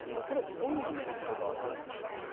これどんなメリットがあるんでしょう？